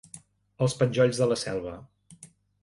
Els penjolls de la selva.